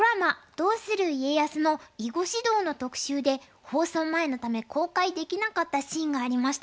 「どうする家康」の囲碁指導の特集で放送前のため公開できなかったシーンがありました。